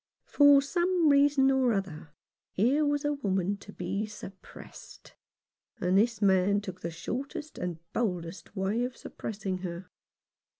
For some reason or other here was a woman to be suppressed ; and this man took the shortest and boldest way of suppressing her.